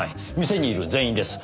店にいる全員です。